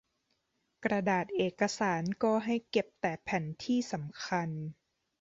กระดาษเอกสารก็ให้เก็บแต่แผ่นที่สำคัญ